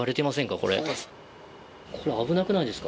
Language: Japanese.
これ危なくないですか？